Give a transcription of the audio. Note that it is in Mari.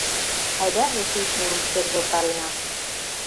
Айда эше ик мурым шергылтарена.